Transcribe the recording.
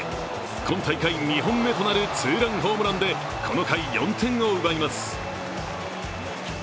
今大会２本目となるツーランホームランでこの回４点を奪います。